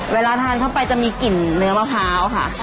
เวลาทานเข้าไปจะมีกลิ่นเนื้อมะพร้าวค่ะ